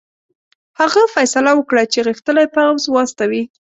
هغه فیصله وکړه چې غښتلی پوځ واستوي.